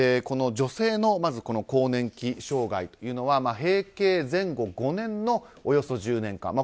女性の更年期障害というのは閉経前後５年のおよそ１０年間。